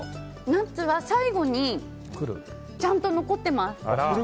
ナッツは最後にちゃんと残ってます。